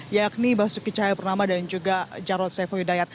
yakni basuki cahaya pernama dan juga jarod saifoyudayat